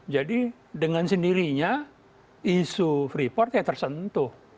jadi dengan sendirinya isu freeport ya tersentuh